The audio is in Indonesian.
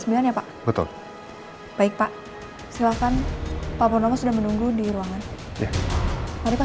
saya yakin ini salah